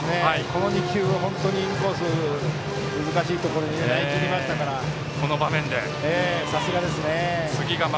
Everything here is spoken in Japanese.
この２球は本当にインコースの難しいところへ投げ切りましたからさすがですね。